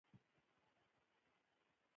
د انګېزې نشتوالی بنسټیز عامل و چې شتون درلود.